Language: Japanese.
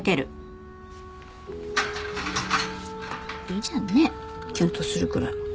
いいじゃんねキュンとするくらい。